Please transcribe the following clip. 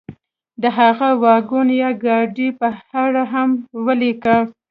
د هغه واګون یا ګاډۍ په اړه هم ولیکه.